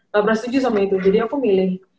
gak pernah setuju sama itu jadi aku milih